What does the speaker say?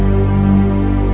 saya mencari reworking